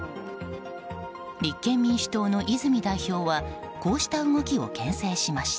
立憲民主党の泉代表はこうした動きを牽制しました。